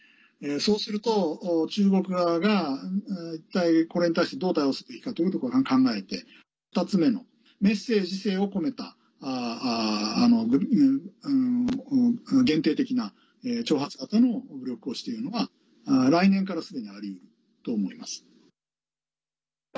そうすると中国側が一体、これに対してどう対応するべきかということを考えて２つ目のメッセージ性を込めた限定的な挑発型の武力行使というのが来年からすでにありうると思います。